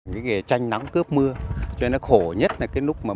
cái nghề tranh nắng cướp mưa cho nên nó khổ nhất là cái lúc mà